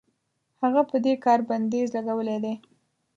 هغه په دې کار بندیز لګولی دی.